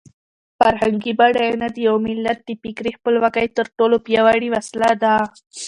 فرهنګي بډاینه د یو ملت د فکري خپلواکۍ تر ټولو پیاوړې وسله ده.